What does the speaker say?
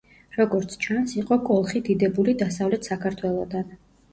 როგორც ჩანს, იყო კოლხი დიდებული დასავლეთ საქართველოდან.